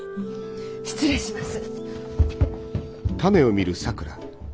失礼します。